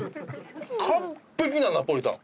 完璧なナポリタン。